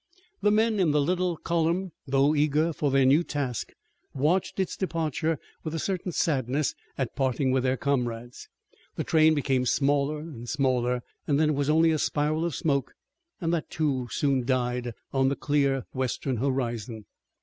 The men in the little column, although eager for their new task, watched its departure with a certain sadness at parting with their comrades. The train became smaller and smaller, then it was only a spiral of smoke, and that, too, soon died on the clear western horizon.